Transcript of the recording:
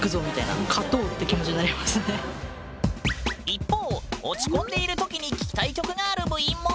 一方落ち込んでいるときに聞きたい曲がある部員も。